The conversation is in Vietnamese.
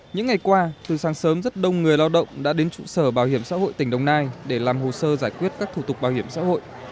những ngày qua từ sáng sớm rất đông người lao động đã đến trụ sở bảo hiểm xã hội tỉnh đồng nai để làm hồ sơ giải quyết các thủ tục bảo hiểm xã hội